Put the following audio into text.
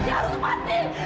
dia harus mati